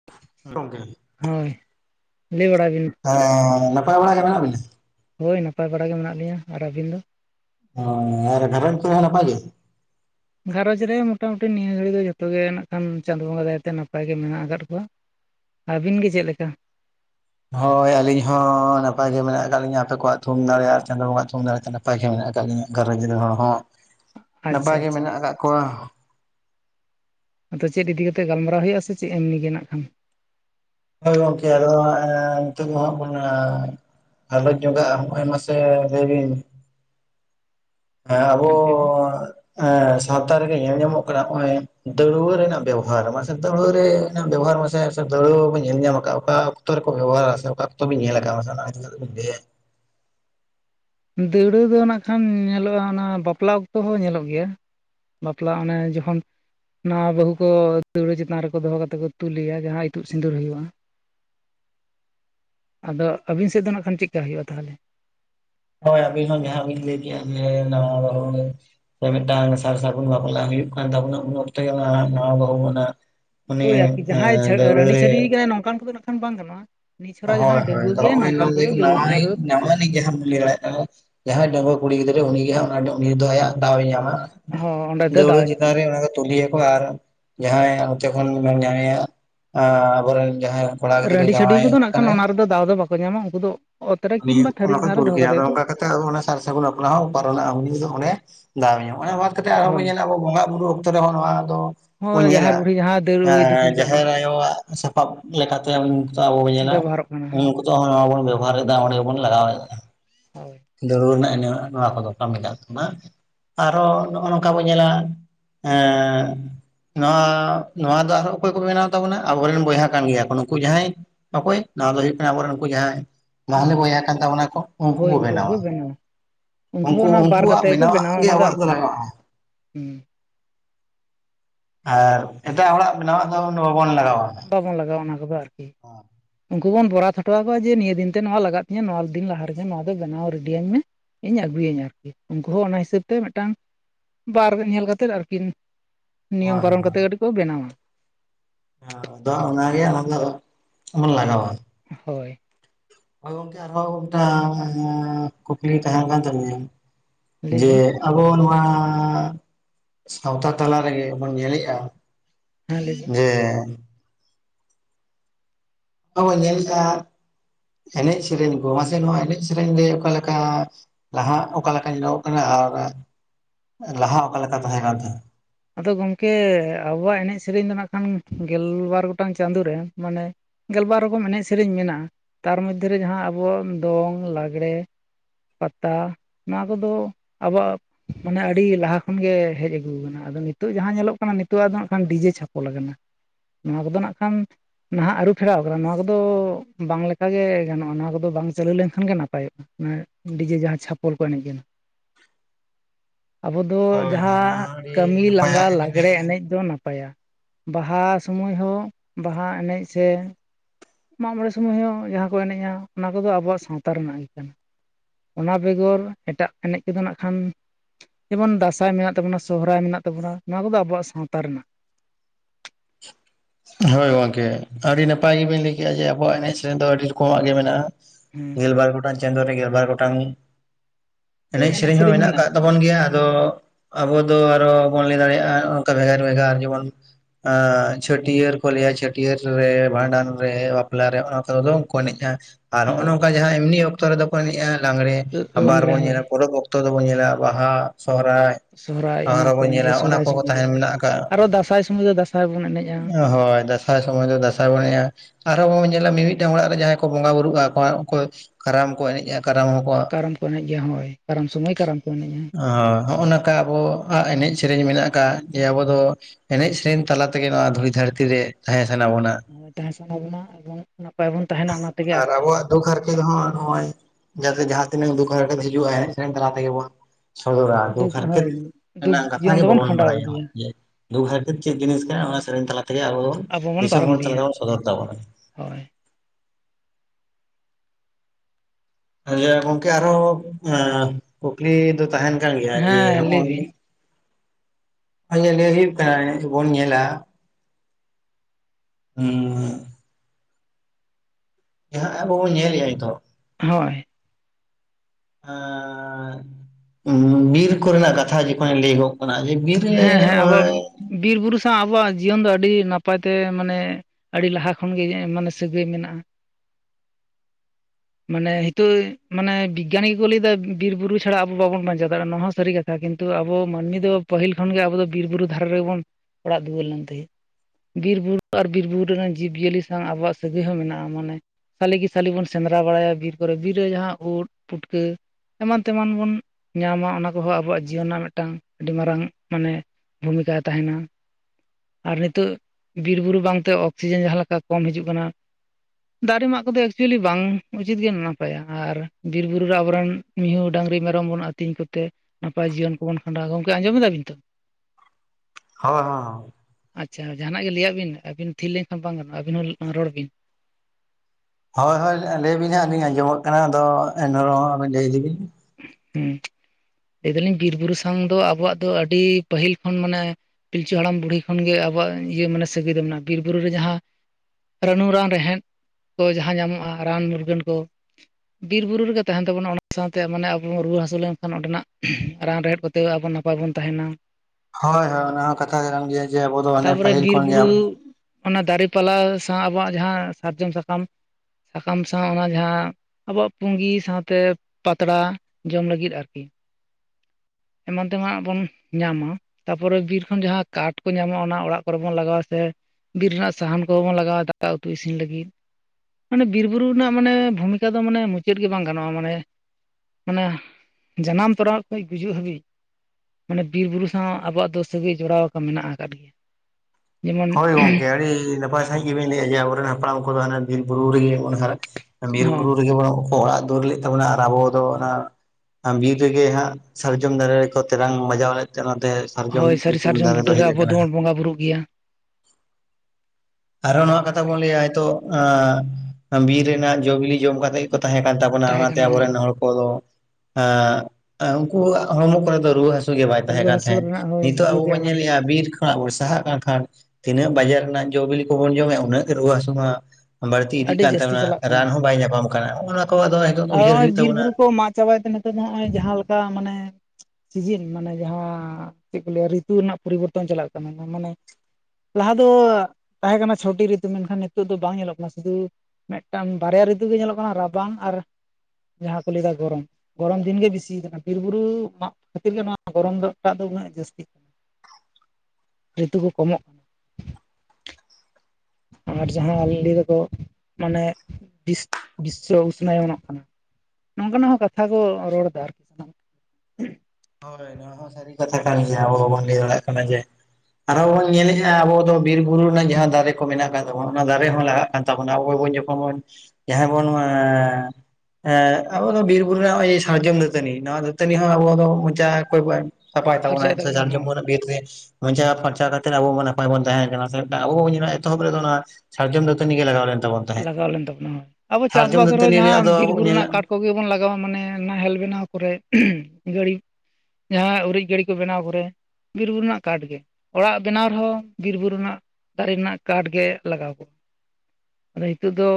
[inaudible] ᱦᱚᱭ ᱞᱟᱹᱭ ᱵᱟᱲᱟᱭ ᱵᱤᱱ᱾ ᱦᱮᱸ, ᱱᱟᱯᱟᱭ ᱵᱟᱲᱟ ᱜᱮ ᱢᱮᱱᱟᱜ ᱵᱤᱱᱟ? ᱦᱳᱭ ᱱᱟᱯᱟᱭ ᱵᱟᱲᱟ ᱜᱮ ᱢᱮᱱᱟᱜ ᱞᱤᱧᱟᱹ, ᱟᱨ ᱟᱹᱵᱤᱱ ᱫᱚ? ᱚᱸ ᱟᱨ ᱜᱷᱟᱸᱨᱚᱡᱽ ᱠᱚᱨᱮᱦᱚᱸ ᱱᱟᱯᱟᱭ ᱜᱮ? ᱜᱷᱟᱸᱨᱚᱧᱡᱽ ᱨᱮ ᱢᱚᱴᱟᱢᱩᱴᱤ ᱱᱤᱭᱟᱹ ᱜᱷᱟᱹᱲᱤᱡ ᱫᱚ ᱡᱚᱛᱚ ᱜᱮ ᱱᱟᱜ ᱠᱷᱟᱱ ᱪᱟᱸᱫ ᱵᱚᱸᱜᱟ ᱫᱟᱟᱭᱛᱮ ᱱᱟᱯᱟᱭ ᱜᱮ ᱢᱮᱱᱟᱜ ᱟᱠᱟᱫ ᱠᱚᱣᱟ᱾ ᱟᱹᱵᱤᱱ ᱜᱮ ᱪᱮᱫ ᱞᱮᱠᱟ? ᱦᱳᱭ ᱟᱹᱞᱤᱧ ᱦᱚᱸ ᱱᱟᱯᱟᱭ ᱜᱮ ᱢᱮᱱᱟᱜ ᱠᱟᱜ ᱞᱤᱧᱟᱹ ᱟᱯᱮ ᱠᱚᱣᱟᱜ ᱛᱷᱩᱢ ᱫᱟᱲᱮ ᱟᱨ ᱪᱟᱸᱫᱳ ᱵᱚᱸᱜᱟᱣᱟᱜ ᱛᱷᱩᱢ ᱫᱟᱲᱮ ᱛᱮ ᱱᱟᱯᱟᱭ ᱱᱟᱯᱟᱭ ᱜᱮ ᱢᱮᱱᱟᱜ ᱟᱠᱟᱫ ᱞᱤᱧᱟᱹ᱾ ᱜᱷᱟᱨᱚᱸᱡᱽ ᱨᱮᱱ ᱦᱚᱲ ᱦᱚᱸ ᱱᱟᱯᱟᱭ ᱟᱪᱪᱷᱟ ᱜᱮ ᱟᱪᱪᱷᱟ ᱢᱮᱱᱟᱜ ᱟᱠᱟᱫ ᱠᱚᱣᱟ᱾ ᱟᱫᱚ ᱪᱮᱫ ᱤᱫᱤ ᱠᱟᱛᱮ ᱜᱟᱞᱢᱟᱨᱟᱣ ᱦᱩᱭᱩᱜᱼᱟ, ᱥᱮ ᱪᱮᱫ ᱢᱤᱜᱮ ᱱᱟᱜ ᱠᱟᱱ? ᱦᱳᱭ ᱜᱚᱝᱠᱮ ᱟᱫᱚ ᱦᱟᱸᱜ ᱮᱸ ᱱᱤᱛᱚᱜ ᱫᱚ ᱦᱟᱸᱜ ᱚᱸ᱾ ᱟᱨᱞᱚ ᱡᱚᱜᱟᱜᱼᱟ᱾ ᱦᱚᱸᱜ-ᱚᱭ ᱢᱟᱥᱮ ᱞᱟᱹᱭ ᱵᱤᱱ᱾ ᱦᱮᱸ ᱟᱵᱚᱻ ᱮᱸ ᱥᱟᱶᱛᱟ ᱨᱮᱜᱮ ᱧᱮᱞ ᱧᱟᱢᱚᱜ ᱠᱟᱱᱟ, ᱚᱸᱭ ᱫᱟᱹᱟᱹᱲᱣᱟᱹ ᱨᱮᱱᱟᱜ ᱵᱮᱣᱦᱟᱨ᱾ ᱢᱟᱥᱮ ᱫᱟᱹᱲᱣᱟᱹ ᱨᱮᱱᱟᱜ ᱵᱮᱣᱦᱟᱨ ᱢᱟᱥᱮ ᱫᱟᱹᱣᱲᱟᱹ ᱢᱟ ᱵᱚᱱ ᱧᱮᱞ ᱧᱟᱢ ᱟᱠᱟᱫ ᱚᱠᱟ ᱚᱠᱛᱚ ᱨᱮᱠᱚ ᱵᱮᱵᱚᱦᱟᱨᱟ ᱥᱮ ᱚᱠᱟ ᱚᱠᱛᱚ ᱵᱤᱱ ᱧᱮᱞ ᱟᱠᱟᱜ ᱟ ᱢᱟᱥᱮ ᱚᱱᱟᱵᱤᱱ ᱞᱟᱹᱭᱟ᱾ ᱫᱟᱹᱣᱲᱟᱹ ᱫᱚ ᱚᱱᱟ ᱠᱷᱟᱱ ᱧᱮᱞᱚᱜᱼᱟ ᱚᱱᱟ ᱵᱟᱯᱞᱟ ᱚᱠᱛᱚ ᱦᱚᱸ ᱧᱮᱞᱚᱜ ᱜᱮᱭᱟ᱾ ᱵᱟᱯᱞᱟ ᱚᱱᱮ ᱡᱚᱠᱷᱚᱱ ᱱᱟᱣᱟ ᱵᱟᱹᱦᱩ ᱠᱚ ᱫᱟᱹᱣᱲᱟᱹ ᱪᱮᱛᱟᱱ ᱨᱮᱠᱚ ᱫᱚᱦᱚ ᱠᱟᱛᱮ ᱠᱚ ᱛᱩᱞᱤᱭᱟ ᱡᱟᱦᱟᱸ ᱤᱛᱩᱫ ᱥᱤᱸᱫᱩᱨ ᱦᱩᱭᱩᱜᱼᱟ᱾ [inaudible] ᱟᱫᱚ ᱟᱹᱵᱤᱱ ᱥᱮᱫ ᱫᱚ ᱱᱟᱜ ᱠᱷᱟᱱ ᱪᱮᱫᱠᱟ ᱦᱩᱭᱩᱜᱼᱟ ᱛᱟᱦᱚᱞᱮ? ᱦᱳᱭ ᱟᱹᱵᱤᱱ ᱦᱚᱸ ᱡᱟᱦᱟᱸ ᱵᱤᱱ ᱞᱟᱹᱭ ᱠᱮᱜ-ᱟ ᱡᱮ ᱱᱟᱣᱟ ᱵᱟᱹᱦᱩ ᱢᱤᱫᱴᱟᱝ ᱥᱟᱨ ᱥᱟᱹᱜᱩᱱ ᱵᱟᱯᱞᱟ ᱦᱩᱭᱩᱜ ᱠᱟᱱ ᱛᱟᱵᱚᱱᱟ ᱩᱱ ᱚᱠᱛᱮ ᱜᱮ ᱚᱱᱟ ᱱᱟᱣᱟ ᱵᱟᱹᱵᱩ ᱚᱱᱟ, ᱩᱱᱤ ᱦᱳᱭ ᱟᱨᱠᱤ, ᱡᱟᱦᱟᱸᱭ ᱮᱸ ᱫᱟᱹᱣᱲᱟᱹ ᱨᱟᱺᱰᱤ ᱨᱮ ᱪᱷᱟᱹᱰᱣᱤ ᱠᱟᱱᱟᱭ ᱱᱚᱝᱠᱟᱱ ᱠᱚᱫᱚ ᱱᱟᱜᱠᱷᱟᱱ ᱵᱟᱝ ᱜᱟᱱᱚᱜᱼᱟ᱾ ᱱᱤᱪᱷᱚᱨᱟ ᱡᱟᱦᱟᱸᱭ ᱦᱚᱭ ᱦᱚᱭ ᱰᱟᱺᱜᱩᱣᱟᱹ ᱜᱮᱭᱟᱭ ᱫᱚᱜᱼᱚᱸᱭ ᱱᱚᱝᱠᱟᱱ ᱠᱚᱜᱮ ᱫᱟᱹᱲᱣᱟᱹ ᱪᱮᱛᱟᱱ ᱨᱮᱫᱚ ᱱᱚᱣᱟ [unintelligible] [unintelligible] ᱡᱟᱦᱟᱸᱭ ᱰᱟᱹᱝᱜᱽᱣᱟᱹ ᱠᱩᱲᱤ ᱜᱤᱫᱽᱨᱟᱹ ᱩᱱᱤ ᱜᱮ ᱦᱟᱜ ᱩᱱᱟ [unintelligible] ᱫᱚ ᱟᱭᱟᱜ ᱫᱟᱣᱮ ᱧᱟᱢᱟ᱾ ᱦᱚᱸ ᱚᱸᱰᱮ ᱫᱚ ᱫᱟᱹᱣᱲᱟᱹ ᱫᱟᱣᱮ ᱪᱮᱛᱟᱱ ᱧᱟᱢᱟ ᱨᱮ ᱚᱱᱟ ᱫᱚ ᱛᱩᱞᱭᱟᱠᱚ ᱟᱨ ᱡᱟᱦᱟᱸᱭ ᱦᱚᱛᱮ ᱠᱷᱚᱱ ᱡᱟᱦᱟᱸᱭᱟᱜ ᱟᱵᱚᱨᱮᱱ ᱡᱟᱦᱟᱸ ᱠᱚᱲᱟ ᱜᱤᱫᱽᱨᱟᱹ ᱨᱟᱺᱰᱤ ᱪᱷᱟᱹᱰᱣᱤ ᱡᱟᱶᱟᱭ ᱠᱚᱫᱚ ᱱᱟᱜ ᱠᱷᱟᱱ ᱠᱟᱱᱟᱭ ᱚᱱᱟ ᱨᱮᱫᱚ ᱫᱟᱣ ᱫᱚ ᱵᱟᱠᱚ ᱧᱟᱢᱟ, ᱩᱱᱠᱩ ᱫᱚ ᱚᱛ ᱨᱮ ᱠᱤᱵᱟ ᱛᱷᱟᱹᱨᱤ ᱪᱮᱛᱟᱱ ᱨᱮ ᱫᱚᱦᱚ ᱠᱟᱛᱮ ᱠᱚ ᱛᱚᱜ ᱚᱱᱟ ᱥᱟᱨ ᱥᱟᱹᱜᱩᱱ ᱟᱯᱞᱟ ᱦᱚᱸ ᱯᱟᱨᱚᱱᱟᱜ ᱩᱱᱤ ᱫᱚ ᱚᱱᱮ ᱫᱟᱣᱮ ᱧᱟᱢᱟ᱾ ᱚᱬᱮ ᱱᱚᱣᱟ ᱠᱟᱛᱮ ᱟᱨᱦᱚᱸ ᱦᱳᱭ ᱵᱚᱱ ᱧᱮᱞᱟ ᱟᱵᱚ ᱵᱚᱸᱜᱟ ᱵᱩᱨᱩ ᱚᱠᱛᱚ ᱨᱮᱦᱚᱸ ᱱᱚᱣᱟ ᱫᱚ ᱦᱳᱭ ᱡᱟᱦᱮᱨ ᱵᱩᱲᱦᱤ ᱡᱟᱦᱟᱸ ᱮ ᱫᱟᱹᱲᱣᱟᱹᱭ ᱫᱤᱯᱤᱞ ᱠᱟᱜᱼᱟ ᱡᱟᱦᱮᱨ ᱟᱭᱳᱣᱟᱜ ᱥᱟᱯᱟᱵ ᱞᱮᱠᱟᱛᱮ ᱥᱮ ᱟᱵᱚ ᱵᱚᱱ ᱧᱮᱞᱟ᱾ ᱵᱮᱵᱚᱦᱟᱨᱚᱜ ᱠᱟᱱᱟ ᱩᱱᱠᱩᱫᱚ ᱚᱱᱮ ᱚᱱᱟ ᱵᱚᱱ ᱵᱮᱣᱦᱟᱨᱮᱫᱟ ᱚᱸᱰᱮ ᱜᱮᱵᱚᱱ ᱞᱟᱜᱟᱣᱮᱫᱟ᱾ ᱦᱳᱭ᱾ ᱫᱟᱹᱨᱩᱲ ᱨᱮᱱᱟᱜ ᱮᱸᱰᱮᱱᱟᱜ ᱱᱚᱣᱟ ᱠᱚᱫᱚ ᱠᱟᱹᱢᱤ ᱠᱟᱱᱟ ᱛᱟᱵᱚᱱᱟ, ᱟᱨᱦᱚ ᱱᱚᱜᱼᱚ ᱱᱚᱝᱠᱟ ᱵᱚ ᱧᱮᱞᱟ᱾ ᱮᱸᱻ ᱱᱚᱣᱟ, ᱱᱚᱣᱟ ᱫᱚ ᱟᱨᱦᱚᱸ ᱚᱠᱚᱭ ᱠᱚ ᱵᱮᱱᱟᱣ ᱛᱟᱵᱚᱱᱟ ᱟᱵᱚᱨᱮᱱ ᱵᱚᱭᱦᱟ ᱠᱟᱱ ᱜᱮᱭᱟ ᱠᱚ ᱱᱩᱠᱩ ᱡᱟᱦᱟᱸᱭ ᱚᱠᱚᱭ? ᱱᱚᱣᱟ ᱫᱚ ᱦᱩᱭᱩᱜ ᱠᱟᱱᱟ ᱟᱵᱚᱨᱮᱱ ᱩᱱᱠᱩ ᱡᱟᱦᱟᱸᱭ, ᱢᱟᱦᱞᱮ ᱵᱚᱭᱦᱟ ᱠᱟᱱ ᱛᱟᱵᱚᱱᱟ ᱠᱚ ᱩᱱᱠᱩ ᱠᱚ ᱵᱮᱱᱼᱼ ᱩᱱ ᱵᱮᱱᱟᱣᱟ᱾ ᱩᱱᱠᱩ ᱦᱚᱸ ᱚᱱᱟ ᱵᱟᱨ ᱠᱟᱛᱮ ᱩᱱᱠᱩᱣᱟᱜ ᱜᱮᱠᱚ ᱵᱮᱱᱟᱣᱟᱜ ᱵᱮᱱᱟᱣᱟ ᱜᱮ ᱚᱱᱟ ᱫᱚ ᱟᱵᱚᱣᱟᱜ ᱟᱨᱠᱤ ᱞᱟᱜᱟᱜᱼᱟ ᱦᱩᱸ᱾ ᱟᱨ ᱮᱴᱟᱜ ᱦᱚᱲᱟᱜ ᱵᱮᱱᱟᱣᱟᱜ ᱫᱚ ᱚᱱᱰᱮ ᱵᱟᱵᱚᱱ ᱞᱟᱜᱟᱣᱟ᱾ ᱵᱟᱵᱚᱱ ᱞᱟᱜᱟᱣᱟ ᱚᱱᱟ ᱠᱚᱫᱚ ᱟᱨᱠᱤ᱾ ᱦᱚᱸ, ᱩᱱᱠᱩ ᱵᱚᱱ ᱵᱚᱨᱟᱛᱷ ᱚᱴᱚᱣᱟᱠᱚᱣᱟ ᱡᱮ ᱱᱤᱭᱟᱹ ᱫᱤᱱᱛᱮ ᱱᱚᱣᱟ ᱞᱟᱜᱟᱜ ᱛᱤᱧᱟᱹ ᱱᱚᱣᱟ ᱫᱤᱱ ᱞᱟᱦᱟ ᱨᱮᱜᱮ ᱱᱚᱣᱟ ᱫᱚ ᱵᱮᱱᱟᱣ ᱨᱮᱰᱤᱭᱟᱹᱧ ᱢᱮ᱾ ᱤᱧ ᱟᱹᱜᱩᱭᱟᱹᱧ ᱟᱨᱠᱤ, ᱩᱱᱠᱩ ᱦᱚᱸ ᱚᱱᱟ ᱦᱤᱥᱟᱹᱵᱽ ᱛᱮ ᱢᱤᱫᱴᱟᱝ, ᱵᱟᱨ ᱫᱤᱱ ᱧᱮᱞ ᱠᱟᱛᱮᱫ ᱟᱨᱠᱤᱱ, ᱱᱤᱭᱚᱢ ᱦᱳᱭ ᱯᱟᱨᱚᱱ ᱦᱳᱭ ᱠᱟᱛᱮᱫ ᱠᱟᱹᱴᱤᱡ ᱠᱚ ᱵᱮᱱᱟᱣᱟ᱾ ᱫᱚ ᱚᱱᱟᱜ ᱨᱮᱭᱟᱜ ᱵᱟᱯᱞᱟ [unintelligible] ᱞᱟᱜᱟᱣᱟ᱾ ᱦᱳᱭ ᱦᱳᱭ ᱜᱚᱝᱠᱮ ᱟᱨᱦᱚᱸ ᱢᱤᱫᱴᱟᱝᱻ ᱠᱩᱠᱞᱤ ᱛᱟᱦᱮᱸ ᱠᱟᱱ ᱛᱟᱞᱤᱧᱟ ᱞᱟᱹᱭ ᱡᱮ ᱵᱤᱱ ᱟᱵᱚ ᱱᱚᱣᱟ ᱥᱟᱶᱛᱟ ᱛᱟᱞᱟ ᱨᱮᱜᱮ ᱵᱚᱱ ᱧᱮᱞᱮᱜᱼᱟ᱾ ᱦᱮᱸ ᱞᱟᱹᱭ ᱵᱤᱱ? ᱡᱮ ᱵᱚᱱ ᱧᱮᱞᱫᱟ ᱮᱱᱮᱡ ᱥᱮᱨᱮᱧ ᱠᱚ ᱢᱟᱥᱮ ᱱᱚᱣᱟ ᱮᱱᱮᱡ ᱥᱮᱨᱮᱧ ᱨᱮ ᱚᱠᱟ ᱞᱮᱠᱟ ᱞᱟᱦᱟᱜ ᱚᱠᱟᱞᱮᱠᱟ ᱧᱮᱞᱚᱠᱚᱜ ᱠᱟᱱᱟ ᱟᱨ ᱞᱟᱦᱟ ᱚᱠᱟᱞᱮᱠᱟ ᱛᱟᱦᱮᱸ ᱠᱟᱱ ᱛᱟᱸᱦᱮᱜ, ᱟᱫᱚ ᱜᱚᱢᱠᱮ ᱟᱵᱚᱣᱟᱜ ᱮᱱᱮᱡ ᱥᱮᱨᱮᱧ ᱫᱚ ᱱᱟᱜ ᱠᱷᱟᱱ ᱜᱮᱞᱵᱟᱨ ᱜᱚᱴᱟᱝ ᱪᱟᱸᱫᱳ ᱨᱮ ᱢᱟᱱᱮ, ᱜᱮᱞᱵᱟᱨ ᱨᱚᱠᱚᱢ ᱮᱱᱮᱡ ᱥᱮᱨᱮᱧ ᱢᱮᱱᱟᱜᱼᱟ ᱛᱟᱨ ᱢᱚᱫᱽᱫᱷᱮ ᱨᱮ ᱡᱟᱦᱟᱸ ᱟᱵᱚᱣᱟᱜ ᱫᱚᱝ, ᱞᱟᱜᱽᱲᱮ ᱯᱟᱛᱟ ᱱᱚᱣᱟ ᱠᱚᱫᱚ ᱟᱵᱚᱣᱟᱜ ᱢᱟᱱᱮ ᱟᱹᱰᱤ ᱞᱟᱦᱟ ᱠᱷᱚᱱᱜᱮ ᱦᱮᱡ ᱟᱹᱜᱩ ᱟᱠᱟᱱᱟ᱾ ᱟᱫᱚ ᱱᱤᱛᱳᱜ ᱡᱟᱦᱟᱸ ᱧᱮᱞᱚᱜ ᱠᱟᱱᱟ ᱱᱤᱛᱚᱜ ᱟ ᱫᱚ ᱟᱸᱜ ᱠᱷᱟᱱ ᱰᱤᱡᱮ ᱪᱷᱟᱯᱚᱞ ᱟᱠᱟᱱᱟ ᱱᱚᱣᱟ ᱠᱚᱫᱚ ᱱᱟᱜ ᱠᱷᱟᱱ ᱱᱟᱦᱟᱜ ᱟᱹᱨᱩ ᱯᱷᱮᱨᱟᱣ ᱨᱮ ᱱᱚᱣᱟ ᱠᱚᱫᱚ ᱵᱟᱝ ᱞᱮᱠᱟᱜᱮ ᱜᱟᱱᱚᱜᱼᱟ ᱱᱚᱣᱟ ᱠᱚᱫᱚ ᱵᱟᱝ ᱪᱟᱹᱞᱩ ᱞᱮᱱᱠᱷᱟᱱ ᱜᱮ ᱱᱟᱯᱟᱭᱚᱜᱼᱟ ᱾ ᱚᱱᱟ ᱰᱤᱡᱮ ᱡᱟᱦᱟᱸ ᱪᱷᱟᱯᱚᱞ ᱠᱚ ᱮᱱᱮᱡ ᱠᱟᱱᱟ ᱾ [inaudible] ᱟᱵᱚ ᱫᱚ ᱦᱳᱭ ᱦᱳᱭ ᱱᱚᱣᱟ ᱡᱟᱦᱟᱸ ᱦᱚᱸ ᱟᱹᱰᱤ ᱠᱟᱹᱢᱤ ᱱᱟᱯᱟᱭᱟᱜ ᱞᱟᱸᱜᱟ ᱜᱮᱵᱤᱱ ᱞᱟᱹᱭ ᱞᱟᱜᱽᱲᱮ ᱮᱱᱮᱡ, ᱫᱚ ᱱᱟᱯᱟᱭᱟ ᱵᱟᱦᱟ ᱥᱳᱢᱚᱭ ᱦᱚᱸ ᱵᱟᱦᱟ ᱮᱱᱮᱡ ᱥᱮ, ᱢᱟᱜ ᱢᱚᱬᱮ ᱥᱢᱚᱭ ᱦᱚᱸ ᱡᱟᱦᱟᱸ ᱠᱚ ᱮᱱᱮᱡᱼᱟ ᱚᱱᱟ ᱠᱚᱫᱚ ᱟᱵᱚᱣᱟᱜ ᱥᱟᱶᱛᱟ ᱨᱮᱱᱟᱜ ᱜᱮ ᱠᱟᱱᱟ᱾ ᱚᱱᱟ ᱵᱮᱜᱚᱨ ᱮᱴᱟᱜ ᱮᱱᱮᱡ ᱠᱚᱫᱚ ᱱᱟᱜ ᱠᱷᱟᱱ ᱡᱮᱢᱚᱱ ᱫᱟᱸᱥᱟᱭ ᱢᱮᱱᱟᱜ ᱛᱟᱵᱚᱱᱟ, ᱥᱚᱦᱚᱨᱟᱭ ᱢᱮᱱᱟᱜ ᱛᱟᱵᱚᱱᱟ, ᱱᱚᱣᱟ ᱠᱚᱫᱚ ᱟᱵᱚᱣᱟᱜ ᱥᱟᱶᱛᱟ ᱨᱮᱱᱟᱜ᱾ [inaudible] ᱦᱳᱭ ᱜᱚᱝᱠᱮ ᱟᱹᱰᱤ ᱱᱟᱯᱟᱭ ᱜᱮᱵᱤᱱ ᱞᱟᱹᱭ ᱠᱮᱜᱼᱟ ᱡᱮ ᱟᱵᱚᱣᱟᱜ ᱮᱱᱮᱡ ᱥᱮᱨᱮᱧ ᱫᱚ ᱟᱹᱰᱤ ᱨᱚᱠᱚᱢᱟᱜ ᱜᱮ ᱢᱮᱱᱟᱜᱼᱟ ᱾ ᱦᱩᱸ ᱜᱮᱞ ᱵᱟᱨ ᱜᱚᱴᱟᱝ ᱪᱟᱸᱫᱳ ᱨᱮ ᱜᱮᱞ ᱵᱟᱨ ᱜᱚᱴᱟᱝ ᱮᱱᱮᱡ ᱥᱮᱨᱮᱧ ᱦᱚᱸ ᱢᱮᱱᱟᱜ ᱠᱟᱜ ᱛᱟᱵᱚᱱ ᱜᱮᱭᱟ ᱟᱫᱚ ᱟᱵᱚ ᱫᱚ ᱟᱨᱚ ᱵᱚᱱ ᱞᱟᱹᱭ ᱫᱟᱲᱮᱭᱟᱜᱼᱟ ᱚᱱᱠᱟ ᱵᱷᱮᱜᱟᱨ ᱵᱷᱮᱜᱟᱨ ᱡᱮᱢᱚᱱ ᱮ ᱪᱷᱟᱹᱴᱭᱟᱹᱨ ᱠᱚ ᱞᱟᱹᱭᱟ, ᱪᱷᱟᱹᱴᱭᱟᱹᱨ ᱨᱮ, ᱵᱷᱟᱸᱰᱟᱱ ᱨᱮ ᱵᱟᱯᱞᱟᱨᱮ ᱚᱱᱟ ᱠᱚᱨᱮ ᱫᱚᱝ ᱠᱚ ᱮᱱᱮᱡᱼᱟ ᱾ ᱟᱨ ᱦᱚᱸᱜᱼᱚ ᱦᱳᱭ ᱱᱚᱝᱠᱟ ᱡᱟᱦᱟᱸ ᱮᱢᱱᱤ ᱚᱠᱛᱚ ᱨᱮᱫᱚ ᱠᱚ ᱮᱱᱮᱡᱼᱟ ᱞᱟᱜᱽᱬᱮ ᱟᱵᱟᱨ ᱞᱟᱜᱽᱲᱮ ᱵᱚᱱ ᱦᱳᱭ ᱧᱮᱞᱟ ᱯᱚᱨᱚᱵᱽ ᱚᱠ ᱛᱚ ᱫᱚᱵᱚᱱ ᱧᱮᱞᱟ ᱵᱟᱦᱟ, ᱥᱚᱦᱚᱨᱟᱭ᱾ ᱥᱚᱦᱚᱨᱟᱭ ᱚᱱᱟ ᱠᱚ ᱮᱱᱮᱡ ᱜᱮ ᱥᱚᱦᱚᱨᱟᱭ ᱥᱚᱢᱚᱭ ᱫᱚ ᱢᱮᱱᱟᱜ ᱟᱨᱚ ᱫᱟᱸᱥᱟᱭ ᱥᱚᱢᱚᱭ ᱫᱚ ᱫᱟᱸᱥᱟᱭ ᱵᱚᱱ ᱮᱱᱮᱡ ᱚ ᱦᱚᱭ ᱫᱟᱥ ᱫᱟᱸᱥᱟᱭ ᱥᱚᱢᱚᱭ ᱫᱚ ᱫᱟᱸᱥᱟᱭ ᱵᱚᱱ ᱮᱱᱮᱡ ᱟ ᱟᱨᱦᱚᱸ ᱟᱵᱚᱵᱚᱱ ᱧᱮᱞᱟ ᱢᱤᱼᱢᱤᱫᱴᱟᱝ ᱚᱲᱟᱜ ᱨᱮ ᱡᱟᱦᱟᱸᱭ ᱠᱚ ᱵᱚᱸᱜᱟ ᱵᱩᱨᱩᱜᱼᱟ ᱟᱠᱚ ᱟᱨ ᱩᱱᱠᱩ ᱠᱟᱨᱟᱢ ᱠᱚ ᱮᱱᱮᱡᱼᱟ ᱠᱟᱨᱟᱢ ᱦᱚᱸ᱾ ᱠᱟᱨᱟᱢ ᱠᱚ ᱮᱱᱮᱡ ᱜᱮᱭᱟ ᱦᱳᱭ ᱠᱟᱨᱟᱢ ᱥᱚᱢᱚᱭ ᱠᱟᱨᱟᱢ ᱠᱚ ᱮᱱᱮᱡᱼᱟ ᱾ ᱚ ᱦᱚᱸᱜᱼ ᱱᱟ ᱠᱟ ᱟᱵᱚᱣᱟᱜ ᱮᱱᱮᱡ ᱥᱮᱨᱮᱧ ᱢᱮᱱᱟᱜ ᱠᱟᱜᱼᱟ ᱡᱮ ᱟᱵᱚ ᱫᱚ ᱮᱱᱮᱡ, ᱥᱮᱨᱮᱧ, ᱛᱟᱞᱟ ᱛᱮᱜᱮ ᱱᱚᱣᱟ ᱫᱷᱩᱲᱤ ᱫᱷᱟᱹᱨᱛᱤ ᱨᱮ ᱛᱟᱦᱮᱸ ᱥᱟᱱᱟ ᱵᱚᱱᱟ᱾ ᱚᱭ ᱛᱟᱦᱮᱸ ᱥᱟᱱᱟ ᱵᱚᱱᱟ ᱮᱵᱚᱝ ᱱᱟᱯᱟᱭ ᱵᱚᱱ ᱛᱟᱦᱮᱱᱟ ᱚᱱᱟ ᱛᱮᱜᱮ ᱟᱨ ᱟᱨᱠᱤ᱾ ᱟᱵᱚᱣᱟᱜ ᱫᱩᱠ ᱦᱟᱨᱠᱮᱛ ᱦᱚᱸ ᱱᱚᱜᱚᱭ ᱡᱟᱛᱮ ᱡᱟᱦᱟᱸ ᱛᱤᱱᱟᱹᱜ ᱫᱩᱠ ᱦᱟᱨᱠᱮᱛ ᱦᱤᱡᱩᱜᱼᱟ ᱮᱱᱮᱡ ᱥᱮᱨᱮᱧ ᱛᱟᱞᱟ ᱛᱮᱜᱮ ᱵᱚᱱ ᱥᱚᱫᱚᱨᱟ ᱟᱫᱚ ᱫᱩᱠ ᱦᱟᱨᱠᱮᱛ ᱦᱳᱭ ᱫᱩᱠ ᱨᱮᱱᱟᱜ ᱠᱟᱛᱷᱟ ᱡᱤᱭᱚᱱ ᱜᱮ ᱫᱚᱵᱚᱱ ᱵᱟᱵᱚᱱ ᱠᱷᱟᱸᱰᱟᱣ ᱵᱟᱲᱟᱭᱟ ᱧᱟᱢᱟ ᱤᱫᱤᱭᱟ ᱡᱮ, ᱫᱩᱠ ᱦᱟᱨᱠᱮᱛ ᱪᱮᱫ ᱡᱤᱱᱤᱥ ᱠᱟᱱᱟ ᱚᱱᱟ ᱥᱮᱨᱮᱧ ᱛᱟᱞᱟ ᱛᱮᱜᱮ ᱟᱵᱚ ᱵᱚᱱ ᱵᱚᱱ ᱫᱤᱥᱚᱢ ᱯᱟᱨᱚᱢ ᱦᱚᱲ ᱛᱟᱞᱟ ᱤᱫᱤᱭᱟ ᱛᱮᱵᱚᱱ ᱥᱚᱫᱚᱨ ᱛᱟᱵᱚᱱᱟ᱾ ᱦᱳᱭ ᱡᱮ ᱜᱚᱝᱠᱮ ᱟᱨᱦᱚᱸ ᱮᱸ ᱠᱩᱠᱞᱤ ᱫᱚ ᱛᱟᱦᱮᱱ ᱠᱟᱱ ᱜᱮᱭᱟ ᱡᱮ ᱦᱮᱸ ᱞᱟᱹᱭ ᱦᱚᱸᱜᱼᱚᱭ ᱵᱤᱱ ᱱᱚᱜᱼᱚᱭ ᱡᱮ ᱞᱟᱹᱭ ᱦᱩᱭᱩᱜ ᱠᱟᱱᱟ ᱱᱮᱥ ᱵᱚᱱ ᱧᱮᱞᱟ ᱾ ᱦᱩᱸ ᱡᱟᱦᱟᱸ ᱟᱵᱚ ᱵᱚ ᱧᱮᱞᱮᱜᱼᱟ ᱱᱤᱛᱚᱜ ᱾ ᱦᱳᱭ ᱟᱸᱻ ᱵᱤᱨ ᱠᱚᱨᱮᱱᱟᱜ ᱠᱟᱛᱷᱟ ᱡᱚᱠᱷᱚᱱᱮ ᱞᱟᱹᱭ ᱦᱚᱜ ᱚᱱᱟ [unintelligible] ᱦᱮᱸ ᱦᱮᱸ ᱟᱵᱚᱣᱟᱜ ᱵᱤᱨ ᱵᱩᱨᱩ ᱥᱟᱶ ᱟᱵᱚᱣᱟᱜ ᱡᱤᱭᱚᱱ ᱫᱚ ᱟᱹᱰᱤ ᱱᱟᱯᱟᱭ ᱛᱮ ᱢᱟᱱᱮ ᱟᱹᱰᱤ ᱞᱟᱦᱟ ᱠᱷᱚᱱᱜᱮ ᱢᱟᱱᱮ ᱥᱟᱹᱜᱟᱹᱭ ᱢᱮᱱᱟᱜᱼᱟ᱾ [inaudible] ᱢᱟᱱᱮ ᱱᱤᱛᱳᱚᱜ ᱢᱟᱱᱮ ᱵᱤᱜᱽᱜᱟᱱᱤ ᱜᱮᱠᱚ ᱞᱟᱹᱭ ᱫᱟ ᱵᱤᱨ ᱵᱩᱨᱩ ᱪᱷᱟᱲᱟ ᱟᱵᱚ ᱵᱟᱵᱚᱱ ᱵᱟᱧᱪᱟᱣ ᱫᱟᱲᱮᱭᱟᱜᱼᱟ ᱱᱚᱣᱟ ᱦᱚᱸ ᱥᱟᱹᱨᱤ ᱠᱟᱛᱷᱟ᱾ ᱠᱤᱱᱛᱩ ᱟᱵᱚ ᱢᱟᱹᱱᱢᱤ ᱫᱚ ᱯᱟᱹᱦᱤᱞ ᱠᱷᱚᱱᱜᱮ ᱟᱵᱚ ᱫᱚ ᱵᱤᱨᱵᱩᱨᱩ ᱫᱷᱟᱨᱮ ᱨᱮᱵᱚᱱ ᱚᱲᱟᱜ ᱫᱩᱣᱟᱹᱨ ᱞᱮᱱ ᱛᱟᱦᱮᱸᱫ᱾ ᱵᱤᱨ ᱵᱩᱨᱩ ᱟᱨ ᱵᱤᱨ ᱵᱩᱨᱩ ᱨᱮᱱ ᱡᱤᱵᱽᱡᱤᱭᱟᱹᱞᱤ ᱥᱟᱶᱝ ᱟᱵᱚᱣᱟᱜ ᱥᱟᱹᱜᱟᱹᱭ ᱦᱚᱸ ᱢᱮᱱᱟᱜᱼᱟ ᱢᱟᱱᱮ ᱥᱟᱞᱮ ᱜᱮ ᱥᱟᱞᱮ ᱵᱚᱱ ᱥᱮᱸᱫᱽᱨᱟ ᱵᱟᱲᱟᱭᱟ ᱵᱤᱨ ᱠᱚᱨᱮ ᱵᱤᱨ ᱨᱮ ᱡᱟᱦᱟᱸ ᱩᱫᱽ, ᱯᱩᱴᱠᱟᱹ᱾ ᱮᱢᱟᱱ ᱛᱮᱢᱟᱱ ᱵᱚᱱ ᱧᱟᱢᱟ ᱚᱱᱟ ᱠᱚᱦᱚᱸ ᱟᱵᱚᱣᱟᱜ ᱡᱤᱭᱚᱱ ᱨᱮᱱᱟᱜ ᱢᱤᱫᱴᱟᱝ, ᱟᱹᱰᱤ ᱢᱟᱨᱟᱝ ᱢᱟᱱᱮ ᱵᱷᱩᱢᱤᱠᱟᱭ ᱛᱟᱦᱮᱱᱟ᱾ ᱟᱨ ᱱᱤᱛᱚᱜ ᱵᱤᱨ ᱵᱩᱨᱩ ᱵᱟᱝᱛᱮ ᱚᱠᱥᱤᱡᱮᱱ ᱡᱟᱦᱟᱸ ᱞᱮᱠᱟ ᱠᱚᱢ ᱦᱤᱡᱩᱜ ᱠᱟᱱᱟ᱾ ᱫᱟᱨᱮ ᱢᱟᱜ ᱠᱚᱫᱚ ᱮᱠᱪᱩᱭᱮᱞᱤ ᱵᱟᱝ ᱩᱪᱤᱛ ᱜᱮ ᱱᱟᱯᱟᱭᱟ ᱟᱨ ᱵᱤᱨ ᱵᱩᱨᱩᱨᱮ ᱟᱵᱚᱨᱮᱱ ᱢᱤᱦᱩ ᱰᱟᱝᱨᱤ ᱢᱮᱨᱚᱢ ᱵᱚᱱ ᱟᱹᱛᱤᱧ ᱠᱚᱛᱮ ᱱᱟᱯᱟᱭ ᱡᱤᱭᱚᱱ ᱠᱚᱵᱚᱱ ᱠᱷᱟᱸᱰᱟᱣ ᱫᱟ ᱾ ᱠᱮ ᱟᱸᱡᱚᱢ ᱮᱫᱟᱵᱤᱱ ᱛᱚ ᱾ ᱦᱚᱸ ᱦᱚᱸ ᱦᱚᱸ᱾ ᱟᱪᱪᱷᱟ ᱡᱟᱦᱟᱸᱱᱟᱸᱜ ᱜᱮ ᱞᱟᱹᱭᱟ ᱵᱤᱱ ᱟᱹᱵᱤᱱ ᱛᱷᱤᱨ ᱞᱮᱱᱠᱷᱟᱱ ᱵᱟᱝ ᱜᱟᱱᱚᱜᱼᱟ ᱟᱹᱵᱤᱱ ᱦᱚᱸ ᱨᱚᱲ ᱵᱤᱱ᱾ ᱦᱳᱭ ᱦᱳᱭ ᱞᱟᱹᱭᱵᱤᱱ ᱦᱟᱸᱜ ᱟᱹ ᱞᱤᱧ ᱟᱸᱡᱚᱢᱚᱜ ᱠᱟᱱᱟ ᱟᱫᱚ ᱮᱱ ᱨᱮᱦᱚᱸᱵᱤᱱ ᱞᱟᱹᱭ ᱤᱫᱤ ᱵᱤᱱ᱾ ᱦᱩᱸ ᱞᱟᱹᱭ ᱫᱟᱞᱤᱧ ᱵᱤᱨ ᱵᱩᱨᱩ ᱥᱟᱶ ᱫᱚ ᱟᱵᱚᱣᱟᱜ ᱫᱚ ᱟᱹᱰᱤ ᱯᱟᱹᱦᱤᱞ ᱠᱷᱚᱱ ᱢᱟᱱᱮ ᱯᱤᱞᱪᱩ ᱦᱟᱲᱟᱢ ᱵᱩᱲᱦᱤ ᱠᱷᱚᱱᱜᱮ ᱟᱵᱚᱣᱟᱜ ᱤᱭᱟᱹ ᱢᱟᱱᱮ ᱥᱟᱹᱜᱟᱹᱭ ᱫᱚ ᱢᱮᱱᱟᱜᱼᱟ᱾ ᱵᱤᱨ ᱵᱩᱨᱩ ᱨᱮ ᱡᱟᱦᱟᱸ ᱨᱟᱱᱩ ᱨᱟᱱ ᱨᱮᱦᱮᱫ ᱠᱚ ᱡᱟᱦᱟᱸ ᱧᱟᱢᱚᱜᱼᱟ ᱨᱟᱱ ᱢᱩᱨᱜᱟᱹᱱ ᱠᱚ᱾ ᱵᱤᱨ ᱵᱩᱨᱩ ᱨᱮᱜᱮ ᱛᱟᱦᱮᱱ ᱛᱟᱵᱚᱱᱟ, ᱚᱱᱟ ᱛᱮ ᱢᱟᱱᱮ ᱟᱵᱚ ᱵᱚᱱ ᱨᱩᱣᱟᱹ ᱦᱟᱹᱥᱩ ᱞᱮᱱᱠᱷᱟᱱ ᱚᱸᱰᱮᱱᱟᱜ ᱨᱟᱱ ᱨᱮᱦᱮᱫ ᱠᱚᱛᱮ ᱟᱵᱚ ᱱᱟᱯᱟᱭ ᱵᱚᱱ ᱛᱟᱦᱮᱱᱟ᱾ ᱦᱳᱭ ᱦᱳᱭ ᱚᱱᱟ ᱦᱚᱸ ᱠᱟᱛᱷᱟ ᱠᱟᱱ ᱜᱮᱭᱟ ᱡᱮ ᱟᱵᱚ ᱫᱚ ᱚᱱᱮ ᱛᱟᱯᱚᱨᱮ ᱯᱟᱹᱦᱤᱞ ᱵᱤᱨ ᱠᱷᱚᱱ ᱜᱮ, ᱵᱩᱨᱩ ᱚᱱᱟ ᱫᱟᱨᱮ ᱯᱟᱞᱟ ᱥᱟᱶ ᱟᱵᱚᱣᱟᱜ ᱡᱟᱦᱟᱸ ᱥᱟᱨᱡᱚᱢ ᱥᱟᱠᱟᱢ, ᱥᱟᱠᱟᱢ ᱥᱟᱶ ᱚᱱᱟ ᱡᱟᱦᱟᱸ ᱟᱵᱚᱣᱟᱜ ᱯᱩᱸᱜᱤ ᱥᱟᱶᱛᱮ ᱯᱟᱛᱲᱟ ᱡᱚᱢ ᱞᱟᱹᱜᱤᱫ ᱟᱨᱠᱤ ᱮᱢᱟᱱ ᱛᱮᱢᱟ ᱵᱚᱱ ᱧᱟᱢᱟ᱾ ᱛᱟᱯᱚᱨᱮ ᱵᱤᱨ ᱠᱷᱚᱱ ᱡᱟᱦᱟᱸ ᱠᱟᱴ ᱠᱚ ᱧᱟᱢᱚᱜᱼᱟ ᱚᱱᱟ ᱚᱲᱟᱜ ᱠᱚᱨᱮ ᱵᱚᱱ ᱞᱟᱜᱟᱣᱟ ᱥᱮ ᱵᱤᱨ ᱨᱮᱱᱟᱜ ᱥᱟᱦᱟᱱ ᱠᱚᱦᱚᱸ ᱵᱚᱱ ᱞᱟᱜᱟᱣᱟ ᱫᱟᱠᱟ ᱩᱛᱩ ᱤᱥᱤᱱ ᱞᱟᱹᱜᱤᱫ ᱢᱟᱱᱮ ᱵᱤᱨ ᱵᱩᱨᱩ ᱨᱮᱱᱟᱜ ᱢᱟᱱᱮ ᱵᱷᱩᱢᱤᱠᱟᱭ ᱫᱚ ᱢᱟᱱᱮ ᱢᱩᱪᱟᱹᱫ ᱜᱮ ᱵᱟᱝ ᱜᱟᱱᱚᱜᱼᱟ ᱢᱟᱱᱮ᱾ ᱢᱟᱱᱮ ᱡᱟᱱᱟᱢ ᱛᱚᱨᱟ ᱠᱷᱚᱱ ᱜᱩᱡᱩᱜ ᱦᱟᱹᱵᱤᱡ, ᱢᱟᱱᱮ ᱵᱤᱨ ᱵᱩᱨᱩ ᱥᱟᱶ ᱟᱵᱚᱣᱟᱜ ᱫᱚ ᱥᱟᱹᱜᱟᱹᱭ ᱡᱚᱲᱟᱣ ᱟᱠᱟᱜ ᱢᱮᱱᱟᱜ ᱟᱠᱟᱫ ᱜᱮᱭᱟ᱾ ᱡᱮᱢᱚᱱ ᱦᱳᱭ ᱜᱚᱝᱠᱮ ᱟᱹᱰᱤ ᱱᱟᱯᱟᱭ ᱥᱟᱹᱦᱤᱡ ᱜᱮᱵᱮᱱ ᱞᱟᱹᱭᱮᱜᱼᱟ ᱡᱮ ᱟᱵᱚᱨᱮᱱ ᱦᱟᱯᱲᱟᱢ ᱠᱚᱫᱚ ᱦᱟᱱᱮ ᱵᱤᱨ ᱵᱩᱨᱩ ᱨᱮᱜᱮ ᱵᱚᱱ ᱦᱟᱨᱟᱜ ᱵᱤᱨ ᱦᱚᱸ ᱵᱩᱨᱩ ᱨᱮᱜᱮ ᱵᱚᱱ ᱚᱲᱟᱜ ᱫᱩᱣᱟᱹᱨ ᱞᱮᱫ ᱛᱟᱵᱚᱱᱟ ᱟᱨ ᱟᱵᱚ ᱫᱚ ᱚᱱᱟ ᱵᱤᱨ ᱨᱮᱜᱮ ᱦᱟᱸᱜ ᱥᱟᱨᱡᱚᱢ ᱫᱟᱨᱮ ᱨᱮᱠᱚ ᱛᱮᱨᱟᱝ ᱵᱟᱡᱟᱣ ᱞᱮᱫ ᱛᱮ ᱚᱱᱟᱛᱮ ᱥᱟᱨᱡᱚᱢ ᱦᱳᱭ ᱥᱟᱹᱨᱤ ᱧᱩᱛᱩᱢ ᱥᱟᱨᱡᱚᱢ ᱫᱟᱨᱮ ᱫᱚ ᱵᱩᱴᱟᱹᱨᱮ ᱦᱮᱡ ᱟᱵᱚ ᱟᱠᱟᱱᱟ᱾ ᱫᱚᱵᱚᱱ ᱵᱚᱸᱜᱟ ᱵᱩᱨᱩᱜ ᱜᱮᱭᱟ᱾ ᱟᱨᱚ ᱦᱚ ᱱᱚᱣᱟ ᱠᱟᱛᱷᱟ ᱵᱚᱱ ᱞᱟᱹᱭᱟ ᱱᱤᱛᱚᱜ ᱵᱤᱨ ᱨᱮᱱᱟᱜ ᱡᱚ ᱵᱤᱞᱤ ᱡᱚᱢ ᱠᱟᱛᱮᱜ ᱛᱟᱦᱮᱸ ᱠᱟᱱ ᱛᱟᱵᱚᱱᱟ ᱛᱟᱦᱮᱸ ᱚᱱᱟᱛᱮ ᱠᱟᱱᱟ ᱦᱚᱸ ᱟᱵᱚᱨᱮᱱ ᱦᱚᱲ ᱠᱚᱫᱚ ᱮᱸᱜ ᱩᱱᱠᱩᱣᱟᱜ ᱦᱚᱲᱢᱚ ᱠᱚᱨᱮ ᱫᱚ ᱨᱩᱣᱟᱹ ᱦᱟᱹᱥᱩ [unintelligible] ᱜᱮ ᱵᱟᱭ ᱛᱟᱦᱮᱸ ᱨᱩᱣᱟᱹ ᱠᱟᱱ ᱦᱟᱹᱥᱩ ᱛᱟᱦᱮᱸᱫ ᱨᱮᱱᱟᱜ ᱦᱚᱸ ᱱᱤᱛᱚᱜ ᱤᱭᱟᱹ ᱟᱵᱚ ᱜᱮ ᱵᱚᱱ ᱟᱱᱟᱴ ᱜᱮ ᱧᱮᱞᱮᱜᱼᱟ ᱵᱟᱝ ᱵᱤᱨ ᱵᱚᱱᱟᱜ ᱥᱟᱦᱟᱜ ᱠᱟᱱ ᱠᱷᱟᱱ ᱛᱤᱱᱟᱹᱜ ᱵᱟᱡᱟᱨ ᱨᱮᱱᱟᱜ ᱡᱚᱼᱵᱤᱞᱤ ᱠᱚᱵᱚᱱ ᱡᱚᱢᱟ ᱩᱱᱟᱹᱜ ᱨᱩᱣᱟᱹ ᱦᱟᱹᱥᱩ ᱦᱚᱸ ᱵᱟᱹᱲᱛᱤ ᱤᱫᱤᱜ ᱟᱹᱰᱤ ᱠᱟᱱ ᱛᱮ ᱡᱟᱹᱥᱛᱤ ᱚᱱᱟ ᱪᱟᱞᱟᱜ ᱨᱟᱱ ᱦᱚᱸ ᱵᱟᱭ ᱧᱟᱯᱟᱢ ᱠᱟᱱᱟ ᱱᱚᱜ ᱱᱚᱣᱟ ᱠᱚ ᱟᱫᱚ, ᱱᱤᱛᱚᱜ ᱫᱚ ᱟᱫᱚ ᱩᱭᱦᱟᱹᱨ ᱱᱚᱜᱼᱚᱭ ᱦᱩᱭᱩᱜ ᱵᱤᱨ ᱛᱟᱵᱚᱱᱟ ᱵᱩᱨᱩ ᱠᱚ ᱢᱟᱫ ᱪᱟᱵᱟᱭ ᱛᱮ ᱱᱤᱛᱚᱜ ᱫᱚ ᱱᱚᱜᱼᱚᱭ ᱡᱟᱦᱟᱸᱮᱠᱟ ᱢᱟᱱᱮ ᱥᱤᱡᱤᱱ ᱢᱟᱱᱮ ᱡᱟᱦᱟᱸ ᱪᱮᱫ ᱠᱚ ᱞᱟᱹᱭᱟ ᱨᱤᱛᱩ ᱨᱮᱱᱟᱜ ᱯᱚᱨᱤᱵᱚᱨᱛᱚᱱ ᱪᱟᱞᱟᱜ ᱠᱟᱱᱟ, ᱢᱟᱱᱮ ᱞᱟᱦᱟ ᱫᱚ ᱛᱟᱦᱮᱸ ᱠᱟᱱᱟ ᱪᱷᱚᱴᱤ ᱨᱤᱛᱩ ᱢᱮᱱᱠᱷᱟᱱ ᱱᱤᱛᱚᱜ ᱫᱚ ᱵᱟᱝ ᱧᱮᱞᱚᱜ ᱠᱟᱱᱟ, ᱥᱩᱫᱷᱩ ᱢᱤᱫᱴᱟᱝ ᱵᱟᱨᱭᱟ ᱨᱤᱛᱩ ᱜᱮ ᱧᱮᱞᱚᱜ ᱠᱟᱱᱟ ᱨᱟᱵᱟᱝ ᱟᱨ ᱡᱟᱦᱟᱸ ᱠᱚ ᱞᱟᱹᱭᱟ ᱜᱚᱨᱚᱢ ᱜᱚᱨᱚᱢ ᱫᱤᱱᱜ ᱜᱮ ᱵᱤᱥᱤᱭᱟ ᱠᱟᱱᱟ ᱵᱤᱨ ᱵᱩᱨᱩ ᱢᱟᱜ ᱠᱷᱟᱹᱛᱤᱨ ᱜᱮ ᱱᱚᱶᱟ ᱜᱚᱨᱚᱢ ᱫᱚ ᱴᱟᱜ ᱫᱚ ᱩᱱᱟᱹᱜ ᱡᱟᱹᱥᱛᱤᱜ [inaudible] ᱡᱚᱱᱛᱩ ᱠᱚ ᱠᱚᱢᱚᱜ ᱟᱨ ᱡᱟᱦᱟᱸ ᱞᱟᱹᱭ ᱫᱚᱠᱚ ᱢᱟᱱᱮ ᱵᱤᱥ ᱵᱤᱥᱥᱚ ᱩᱥᱱᱟᱚᱭᱚᱱᱚᱜ ᱠᱟᱱᱟ᱾ ᱱᱚᱝᱠᱟᱱᱟᱜ ᱦᱚᱸ ᱠᱟᱛᱷᱟ ᱠᱚ ᱨᱚᱲ ᱮᱫᱟ ᱟᱨᱠᱤ ᱦᱳᱭ ᱱᱚᱶᱟ ᱦᱚᱸ ᱥᱟᱹᱨᱤ ᱠᱟᱛᱷᱟ ᱠᱟᱱ ᱜᱮᱭᱟ ᱟᱵᱚ ᱵᱟᱵᱚᱱ ᱞᱟᱹᱭ ᱫᱟᱲᱮᱭᱟᱜ ᱠᱟᱱᱟ ᱡᱮ ᱟᱨᱦᱚᱸ ᱵᱚᱱ ᱧᱮᱞᱮᱜᱼᱟ ᱟᱵᱚ ᱫᱚ ᱵᱤᱨ ᱵᱩᱨᱩ ᱨᱮᱱᱟᱜ ᱡᱟᱦᱟᱸ ᱫᱟᱨᱮ ᱠᱚ ᱢᱮᱱᱟᱜ ᱟᱠᱟᱫ ᱛᱟᱵᱚ ᱚᱱᱟ ᱫᱟᱨᱮ ᱦᱚᱸ ᱞᱟᱦᱟᱜ ᱠᱟᱱ ᱛᱟᱵᱚᱱᱟ ᱚᱠᱚᱭ ᱵᱚᱱ ᱡᱚᱠᱷᱚᱱ ᱵᱚᱱ ᱡᱟᱦᱟᱸᱭ ᱵᱚᱱ ᱦᱮᱸ ᱟᱵᱚ ᱫᱚ ᱵᱤᱨ ᱵᱩᱨᱩ ᱨᱮᱱᱟᱜ ᱱᱚᱜᱼᱚᱭ ᱥᱟᱨᱡᱚᱢ ᱫᱟᱹᱛᱟᱹᱱᱤ ᱱᱚᱣᱟ ᱫᱟᱹᱛᱟᱹᱱᱤ ᱦᱚᱸ ᱟᱵᱚ ᱫᱚ ᱪᱟ ᱠᱚᱭ [unintelligible] ᱥᱟᱯᱟᱭ ᱯᱷᱟᱨᱪᱟᱭ ᱛᱟᱵᱚᱱᱟᱭ ᱥᱮ ᱛᱟᱵᱚᱱᱟ ᱥᱟᱨᱡᱚᱢ ᱦᱚᱸ [unintelligible] ᱵᱤᱨ ᱜᱮ ᱢᱚᱪᱟ ᱯᱷᱟᱨᱪᱟ ᱠᱟᱛᱮᱫ ᱟᱵᱚᱵᱚᱱ ᱱᱟᱯᱟᱭ ᱵᱚᱱ ᱛᱟᱦᱮ‌ ᱠᱟᱱᱟ ᱥᱮ ᱟᱵᱚ ᱵᱚᱱ ᱧᱮ ᱮᱛᱚᱦᱚᱵ ᱨᱮᱫᱚ ᱚᱱᱟ ᱥᱟᱨᱡᱚᱢ ᱫᱟᱹᱛᱟᱹᱱᱤ ᱜᱮ ᱞᱟᱜᱟᱣ ᱞᱮᱱ ᱛᱟᱵᱚᱱ ᱛᱟᱦᱮᱸᱫ ᱞᱟᱜᱟᱣ ᱞᱮᱱ ᱛᱟᱵᱚᱱᱟ ᱦᱳᱭ ᱟᱵᱚ ᱥᱟᱨᱡᱚᱢ ᱪᱟᱥᱵᱟᱥ ᱨᱮᱦᱚᱸ ᱫᱟᱹᱛᱟᱹᱱᱤ ᱨᱮ ᱡᱟᱦᱟᱸ ᱟᱫᱚ ᱟᱵᱚ ᱵᱤᱨ-ᱵᱩᱨᱩ ᱧᱮᱞᱟ ᱨᱮᱱᱟᱜ ᱠᱟᱴ ᱠᱚ ᱚᱱᱟ ᱠᱚᱜᱤ ᱵᱚᱱ ᱞᱟᱜᱟᱣᱟ ᱢᱟᱱᱮ ᱱᱟᱦᱮᱞ ᱵᱮᱱᱟᱣ ᱠᱚᱨᱮ ᱜᱟᱹᱲᱤ ᱡᱟᱦᱟᱸ ᱩᱨᱤᱡ ᱜᱟᱹᱰᱤ ᱠᱚ ᱵᱮᱱᱟᱣ ᱠᱚᱨᱮ᱾ ᱵᱤᱨ ᱵᱩᱨᱩ ᱨᱮᱱᱟᱜ ᱠᱟᱴ ᱜᱮ, ᱚᱲᱟᱜ ᱵᱮᱱᱟᱣ ᱨᱮᱦᱚᱸ ᱵᱤᱨ ᱵᱩᱨᱩ ᱨᱮᱱᱟᱜ ᱫᱟᱨᱮ ᱨᱮᱱᱟᱜ ᱠᱟᱴ ᱜᱮ ᱞᱟᱜᱟᱣ ᱠᱚᱜᱼᱟ ᱟᱫᱚ ᱦᱤᱛᱚᱜ ᱫᱚ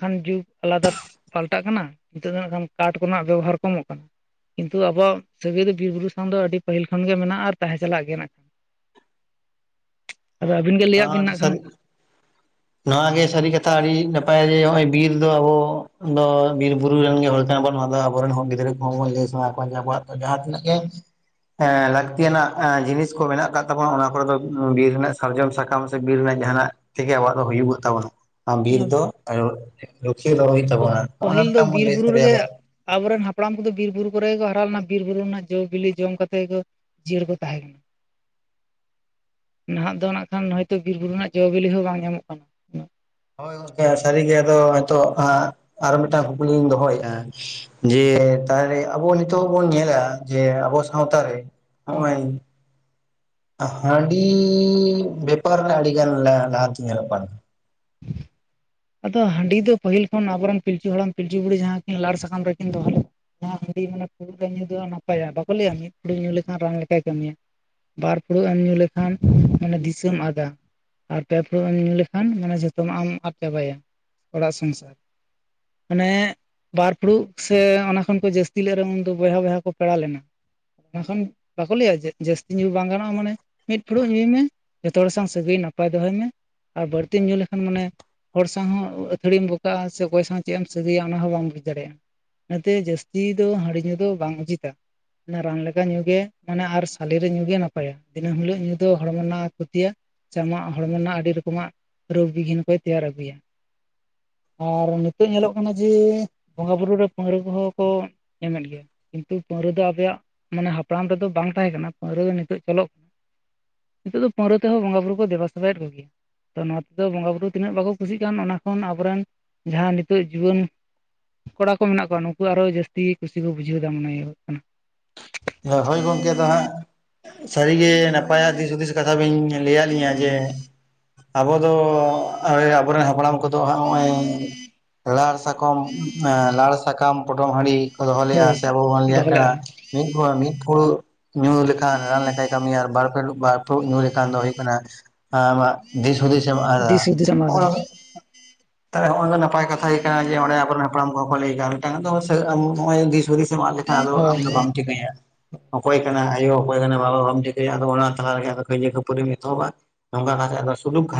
ᱠᱷᱟᱱ ᱡᱩᱜᱽ ᱟᱞᱟᱫᱟ ᱯᱟᱞᱴᱟᱜ ᱠᱟᱱᱟ ᱱᱤᱛᱚᱜ ᱫᱚ ᱦᱟᱸᱜ ᱠᱷᱟᱱ ᱠᱟᱴ ᱠᱚᱨᱮᱱᱟᱜ ᱵᱮᱵᱚᱦᱟᱨ ᱠᱚᱢᱚᱜ ᱠᱟᱱᱟ᱾ ᱠᱤᱱᱛᱩ ᱟᱵᱚᱣᱟᱜ ᱥᱟᱹᱜᱟᱹᱭ ᱫᱚ ᱵᱤᱨ ᱵᱩᱨᱩ ᱥᱟᱶ ᱫᱚ ᱟᱹᱰᱤ ᱯᱟᱹᱦᱤᱞ ᱠᱷᱚᱱ ᱜᱮ ᱢᱮᱱᱟᱜᱼᱟ ᱟᱨ ᱛᱟᱦᱮᱸ ᱪᱟᱞᱟᱜ ᱜᱮᱭᱟ ᱱᱟᱜᱠᱷᱟᱱ ᱦᱚᱭ ᱟᱹᱵᱤᱱ ᱜᱮ ᱜᱚᱢᱠᱮ ᱱᱚᱶᱟ ᱞᱟᱹᱭᱟᱜ ᱦᱚᱸ ᱵᱤᱱ ᱟᱰᱤ ᱱᱟᱜ ᱠᱷᱟᱱ ᱥᱟᱨᱤᱜ ᱱᱚᱶᱟ ᱜᱮ ᱥᱟᱹᱨᱤ ᱠᱟᱛᱷᱟ ᱟᱹᱰᱤ ᱱᱟᱯᱟᱭᱟ ᱡᱮ ᱱᱚᱜ ᱚᱭ ᱵᱤᱨ ᱫᱚ ᱟᱵᱚ ᱫᱚ ᱵᱤᱨ ᱵᱩᱨᱩ ᱨᱮᱱ ᱜᱮ ᱦᱚᱲ ᱱᱚᱶᱟ ᱫᱚ ᱟᱵᱚᱮᱱ ᱨᱮᱱ ᱦᱚᱸ ᱜᱤᱫᱽᱨᱟᱹ ᱠᱚᱦᱚᱸ ᱵᱚᱱ ᱞᱟᱹᱭ ᱥᱟᱬᱟ ᱠᱚᱣᱟ ᱡᱮ ᱟᱵᱚᱣᱟᱜ ᱡᱟᱦᱟᱸᱛᱤᱱᱟᱹᱜ ᱜᱮ ᱦᱮᱸ ᱞᱟᱹᱠᱛᱤᱭᱟᱱᱟᱜ ᱡᱤᱱᱤᱥ ᱠᱚ ᱢᱮᱱᱟᱜ ᱠᱟᱫ ᱛᱟᱵᱚᱱᱟ ᱚᱱᱟ ᱠᱚᱨᱮ ᱫᱚ ᱵᱤᱨ ᱨᱮᱱᱟᱜ ᱥᱟᱨᱡᱚᱢ ᱥᱟᱠᱟᱢ ᱥᱮ ᱵᱤᱨ ᱨᱮᱱᱟᱜ ᱡᱟᱦᱟᱸᱱᱟᱜ ᱛᱮᱜᱮ ᱟᱵᱚᱣᱟᱜ ᱫᱚ ᱦᱩᱭᱩᱜᱛᱟᱵᱚᱱᱟ ᱟ ᱵᱤᱨ ᱫᱚ ᱟᱨᱚ ᱞᱩᱠᱷᱤᱭᱟᱹ ᱫᱚᱦᱚᱭ ᱦᱩᱭᱩᱜ ᱛᱟᱵᱚᱱᱟ᱾ ᱱᱚᱜᱼᱚ ᱯᱟᱹᱦᱤᱞ ᱱᱚᱝᱠᱟ ᱫᱚ ᱵᱚᱱ ᱵᱤᱨ ᱞᱟᱹᱭ ᱵᱩᱨᱩ ᱨᱮᱜᱮ ᱥᱟᱰᱮᱭᱟᱠᱚᱣᱟ ᱟᱵᱚ ᱨᱮᱱ ᱦᱟᱯᱲᱟᱢ ᱠᱚ ᱫᱚ ᱵᱤᱨ ᱵᱩᱨᱩ ᱠᱚᱨᱮ ᱜᱮ ᱠᱚ ᱦᱟᱨᱟ ᱞᱮᱱᱟ ᱵᱤᱨᱵᱩᱨᱩ ᱨᱮᱱᱟᱜ ᱡᱚᱼ ᱵᱤᱞᱤ ᱡᱚᱢ ᱠᱟᱛᱮ ᱜᱮ ᱠᱚ ᱡᱤᱭᱟᱹᱲ ᱠᱚ ᱛᱟᱦᱮᱸ ᱠᱟᱱ [inaudible] ᱱᱟᱦᱟᱜ ᱫᱚ ᱱᱟᱜ ᱠᱷᱟᱱ ᱦᱚᱭ ᱛᱚ ᱵᱤᱨ ᱵᱩᱨᱩ ᱨᱮᱱᱟᱜ ᱡᱚᱼᱵᱤᱞᱤ ᱦᱚᱸ ᱵᱟᱝ ᱧᱟᱢᱚᱜ ᱠᱟᱱᱟ᱾ ᱩᱱᱟᱹᱜ ᱦᱳᱭ ᱜᱚᱝᱠᱮ ᱥᱟᱹᱨᱤᱜᱮ ᱟᱫᱚ ᱱᱤᱛᱳᱜ ᱟᱨᱚ ᱢᱤᱫᱴᱟᱝ ᱠᱩᱠᱞᱤᱧ ᱫᱚᱦᱚᱭᱮᱫᱼᱟ ᱡᱮ ᱛᱟᱦᱮ ᱟᱵᱚ ᱱᱤᱛᱚᱜ ᱵᱚᱱ ᱧᱮᱞᱟ ᱡᱮ ᱟᱵᱚ ᱥᱟᱶᱛᱟ ᱨᱮ ᱦᱚᱸᱜ ᱦᱮᱸ -ᱚᱭ ᱦᱟᱺᱰᱤ ᱵᱮᱯᱟᱨ ᱨᱮᱱᱟᱜ ᱟᱹᱰᱤ ᱜᱟᱱ ᱞᱟᱦᱟ ᱞᱟᱦᱟᱛᱤ ᱧᱮᱞᱚᱜ ᱠᱚᱟᱱᱟ ᱟᱫᱚ ᱦᱟᱺᱰᱤ ᱫᱚ ᱯᱟᱹᱦᱤᱞ ᱠᱷᱚᱱ ᱟᱵᱚᱨᱮᱱ ᱯᱤᱞᱪᱩ ᱦᱟᱲᱟᱢ ᱯᱤᱞᱪᱩ ᱵᱩᱲᱦᱤ ᱡᱟᱦᱟᱸ ᱠᱤᱱ ᱞᱟᱲ ᱥᱟᱠᱟᱢ ᱨᱮᱠᱤᱱ ᱫᱚᱦᱚ ᱞᱮᱫ ᱦᱟᱺᱰᱤ ᱢᱟᱱᱮ ᱯᱷᱩᱲᱩᱜ ᱨᱮ ᱧᱩ ᱫᱚ ᱱᱟᱯᱟᱭᱟ ᱵᱟᱠᱚ ᱞᱟᱹᱭᱟ ᱢᱤᱫ ᱯᱷᱩᱲᱩᱜ ᱧᱩ ᱞᱮᱠᱷᱟᱱ ᱨᱟᱱ ᱞᱮᱠᱟᱭ ᱠᱟᱹᱢᱤᱭᱟ ᱵᱟᱨ ᱯᱷᱩᱲᱩᱜ ᱮᱢ ᱧᱩ ᱞᱮᱠᱷᱟᱱ ᱢᱟᱱᱮ ᱫᱤᱥᱟᱹᱢ ᱟᱫᱟ ᱟᱨ ᱯᱮ ᱯᱮ ᱮᱢ ᱞᱮᱠᱷᱟᱱ ᱢᱟᱱᱮ ᱡᱷᱚᱛᱚᱢᱼᱟᱜ ᱟᱫ ᱪᱟᱵᱟᱭᱟ ᱚᱲᱟᱜ ᱥᱚᱝᱥᱟᱨ ᱢᱟᱱᱮ ᱵᱟᱨ ᱯᱷᱩᱲᱩᱜ ᱥᱮ ᱚᱱᱟ ᱠᱷᱚᱱ ᱠᱚ ᱡᱟᱹᱥᱛᱤ ᱞᱮᱨᱮᱦᱚᱸ ᱩᱱᱫᱚ ᱵᱚᱭᱦᱟ ᱵᱚᱭᱦᱟ ᱠᱚ ᱯᱮᱲᱟ ᱞᱮᱱᱟ [unintelligible] ᱵᱟᱠᱚ ᱞᱟᱹᱭᱟ ᱡᱮ ᱡᱟᱹᱥᱛᱤ ᱧᱩ ᱵᱟᱝ ᱜᱟᱱᱚᱜᱼᱟ ᱢᱟᱱᱮ ᱢᱤᱫ ᱯᱷᱩᱲᱩᱜ ᱧᱩᱭ ᱢᱮ ᱡᱚᱛᱚ ᱦᱚᱲ ᱥᱟᱝ ᱥᱟᱹᱜᱟᱹᱭ ᱱᱟᱯᱟᱭ ᱫᱚᱦᱚᱭ ᱢᱮ ᱟᱨ ᱵᱟᱹᱲᱛᱤᱢ ᱧᱩ ᱞᱮᱠᱷᱟᱱ ᱢᱟᱱᱮ ᱦᱚᱲ ᱥᱟᱶ ᱦᱚᱸ ᱟᱹᱛᱷᱟᱹᱲᱤᱢ ᱵᱚᱠᱟᱜᱼᱟ ᱥᱮ ᱚᱠᱚᱭ ᱥᱟᱶ ᱪᱮᱫ ᱮᱢ ᱥᱟᱹᱜᱟᱹᱭᱼᱟ ᱚᱱᱟ ᱦᱚᱸ ᱵᱟᱢ ᱵᱩᱡᱽ ᱫᱟᱲᱮᱭᱟᱜᱼᱟ ᱚᱱᱟᱛᱮ ᱡᱟᱹᱥᱛᱤ ᱫᱚ ᱦᱟᱺᱰᱤ ᱧᱩ ᱫᱚ ᱵᱟᱝ ᱩᱪᱤᱛᱟ ᱨᱟᱱ ᱞᱮᱠᱟ ᱧᱩ ᱜᱮ ᱢᱟᱱᱮ ᱟᱨ ᱥᱟᱞᱮ ᱨᱮ ᱧᱩ ᱜᱮ ᱱᱟᱯᱟᱭᱟ ᱫᱤᱱᱟᱹᱢ ᱦᱤᱞᱳᱜ ᱧᱩ ᱫᱚ ᱦᱚᱲᱢᱚ ᱨᱮᱱᱟᱜ ᱠᱷᱚᱛᱤᱭᱟ ᱪᱟᱢᱟᱜ ᱦᱚᱲᱢᱚ ᱨᱮᱱᱟᱜ ᱟᱹᱰᱤ ᱨᱚᱠᱚᱢᱟᱜ ᱨᱳᱜᱽ ᱵᱤᱜᱷᱤᱱ ᱠᱚᱭ ᱛᱮᱭᱟᱨ ᱟᱹᱜᱩᱭᱟ᱾ ᱟᱨ ᱱᱤᱛᱚᱜ ᱧᱮᱞᱚᱜ ᱠᱟᱱᱟ ᱡᱮ ᱵᱚᱸᱜᱟ ᱵᱩᱨᱩ ᱨᱮ ᱯᱟᱸᱦᱟᱹᱲᱟᱹ ᱠᱚᱦᱚᱸ ᱠᱚ ᱮᱢᱮᱫ ᱜᱮᱭᱟ ᱠᱤᱱᱛᱩ ᱯᱟᱹᱣᱨᱟᱹ ᱫᱚ ᱟᱵᱮᱭᱟᱜ ᱢᱟᱱᱮ ᱦᱟᱯᱲᱟᱢ ᱨᱮᱫᱚ ᱵᱟᱝ ᱛᱟᱦᱮᱸ ᱠᱟᱱᱟ ᱯᱟ. ᱣᱨᱟᱹ ᱫᱚ ᱱᱤᱛᱚᱜ ᱪᱚᱞᱚᱜ ᱱᱤᱛᱚᱜ ᱫᱚ ᱯᱟᱹᱣᱨᱟᱹ ᱛᱮᱦᱚ ᱵᱚᱸᱜᱟ ᱵᱩᱨᱩ ᱠᱚ ᱫᱮᱵᱟ ᱥᱮᱵᱟᱭᱮᱫ ᱠᱚᱜᱮᱭᱟ ᱛᱚ ᱱᱚᱣᱟ ᱛᱚ ᱵᱚᱸᱜᱟ ᱵᱩᱨᱩ ᱛᱤᱱᱟᱹᱜ ᱵᱟᱠᱚ ᱠᱩᱥᱤᱜ ᱠᱟᱱ ᱚᱱᱟ ᱠᱷᱚᱱ ᱟᱵᱚᱨᱮᱱ ᱡᱟᱦᱟᱸ ᱱᱤᱛᱚᱜ ᱡᱩᱣᱟᱹᱱ ᱠᱚᱲᱟ ᱠᱚ ᱢᱮᱱᱟᱜ ᱠᱚᱣᱟ ᱱᱩᱠᱩ ᱟᱨᱦᱚᱸ ᱡᱟᱹᱥᱛᱤ ᱠᱩᱥᱤ ᱠᱚ ᱵᱩᱡᱷᱟᱹᱣ ᱫᱟ ᱢᱚᱱᱮ ᱦᱳᱭᱩᱜᱚᱜ ᱠᱟᱱᱟ᱾ ᱦᱳᱭ ᱜᱚᱝᱠᱮ ᱫᱚ ᱦᱟᱸᱜ ᱥᱟᱹᱨᱤ ᱜᱮ ᱱᱟᱯᱟᱭᱟᱜ ᱫᱤᱥ ᱦᱩᱫᱤᱥ ᱠᱟᱛᱷᱟ ᱵᱤᱱ ᱞᱟᱹᱭᱟᱫ ᱞᱤᱧᱟ ᱡᱮ ᱟᱵᱚ ᱫᱚ ᱟᱵᱚᱨᱮᱱ ᱦᱟᱯᱲᱟᱢ ᱠᱚᱫ ᱛᱚ ᱦᱟᱸᱜ ᱦᱚᱧᱜ-ᱚᱭ ᱞᱟᱲ ᱥᱟᱠᱚᱢ ᱮᱸ ᱞᱟᱲ ᱥᱟᱠᱟᱢ ᱯᱚᱴᱚᱢ ᱦᱟᱺᱰᱤ ᱠᱚ ᱫᱚᱦᱚ ᱞᱮᱜᱼᱟ ᱦᱳᱭ ᱥᱮ ᱟᱵᱚ ᱵᱚᱱ ᱞᱟᱹᱭᱟᱜ ᱫᱚᱦᱚ ᱠᱟᱱᱟ, ᱞᱮᱫᱼᱟ ᱢᱤᱫ ᱦᱚᱲ ᱢᱤᱫ ᱯᱷᱩᱲᱩᱜ ᱧᱩ ᱞᱮᱠᱷᱟᱱ ᱨᱟᱱ ᱞᱮᱠᱟᱭ ᱠᱟᱹᱢᱤᱭᱟ, ᱵᱟᱨ ᱯᱮ ᱯᱷᱩᱲᱩ ᱧᱩ ᱞᱮᱠᱷᱟᱱ ᱫᱚ ᱦᱩᱭᱩᱜ ᱠᱟᱱᱟ ᱾ ᱦᱮᱸ ᱫᱤᱥ ᱦᱩᱫᱥ ᱟᱢᱟ ᱫᱤᱥ ᱦᱩᱫᱤᱥ ᱮᱢᱟᱫᱟ ᱛᱟᱦᱚᱞᱮ ᱱᱚᱜᱼᱚᱭ ᱱᱟᱯᱟᱭ ᱠᱟᱛᱷᱟ ᱠᱟᱱᱟ, ᱡᱮ ᱚᱸᱰᱮ ᱟᱵᱚᱨᱮᱱ ᱦᱟᱯᱲᱟᱢ ᱠᱚᱠᱚ ᱞᱟᱹᱭ ᱠᱟᱜᱼᱟ ᱢᱤᱫᱴᱟᱝᱜ ᱫᱤᱥᱼ ᱦᱩᱫᱤᱥ ᱾ ᱮᱢᱟᱜ ᱞᱮᱠᱷᱟᱱ ᱟᱫᱚ ᱟᱢ ᱦᱳᱭ ᱫᱚ ᱦᱳᱭ ᱵᱟᱢ ᱴᱷᱤᱠᱟᱹᱭᱟ ᱾ ᱚᱠᱚᱭ ᱠᱟᱱᱟᱭ ᱟᱭᱳ, ᱚᱠᱚᱭ ᱠᱟᱱᱟᱭ ᱵᱟᱵᱟ, ᱵᱟᱢ ᱴᱷᱤᱠᱟᱹᱭᱟ ᱟᱫᱚ ᱚᱱᱟ ᱛᱟᱞᱟᱨᱮ ᱠᱟᱹᱭᱡᱟᱹ ᱠᱷᱟᱹᱯᱷᱟᱨᱤᱢ ᱮᱛᱚᱦᱚᱵᱟ ᱾ ᱱᱚᱝᱠᱟ ᱠᱟᱛᱮ ᱟᱨᱚ ᱥᱩᱱᱩᱢ ᱠᱷᱚᱨᱚᱪ